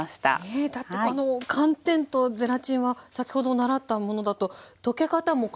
えだってこの寒天とゼラチンは先ほど習ったものだと溶け方も固まり方も違いますもんね。